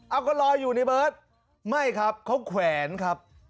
เอาก็ลอยอยู่ในเบิร์ตไม่ครับเขาแขวนครับ